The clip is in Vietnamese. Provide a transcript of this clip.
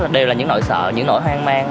đều là những nỗi sợ những nỗi hoang mang